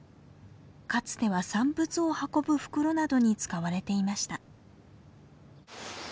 かつては産物を運ぶ袋などに使われていました。